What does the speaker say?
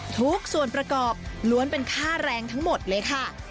ทุกส่วนประกอบล้วนเป็นค่าแรงทั้งหมดเลยค่ะ